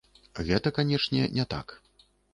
Гэта, канечне, не так.